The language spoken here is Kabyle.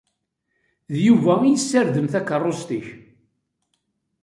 D Yuba i yessarden takeṛṛust-ik.